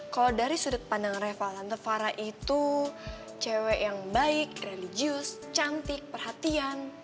kalau dari sudut pandang reva lantafara itu cewek yang baik religius cantik perhatian